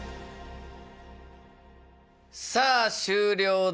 さあ終了です。